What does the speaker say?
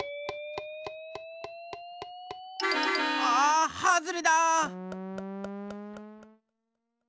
あはずれだ！